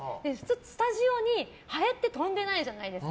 スタジオにハエって飛んでないじゃないですか。